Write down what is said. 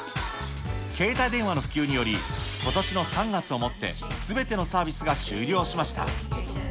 携帯電話の普及により、ことしの３月をもってすべてのサービスが終了しました。